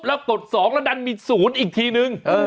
แล้วกด๒แล้วดันมี๐อีกทีนึง